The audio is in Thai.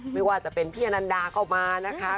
ไม่ว่าจะเป็นพี่อนันดาก็มานะคะ